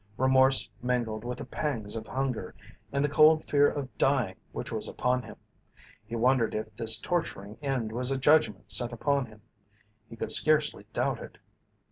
Remorse mingled with the pangs of hunger and the cold fear of dying which was upon him. He wondered if this torturing end was a judgment sent upon him. He could scarcely doubt it.